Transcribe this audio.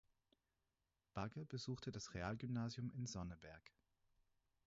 Bagge besuchte das Realgymnasium in Sonneberg.